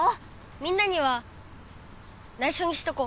みんなにはないしょにしとこう。